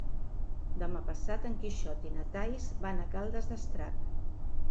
Demà passat en Quixot i na Thaís van a Caldes d'Estrac.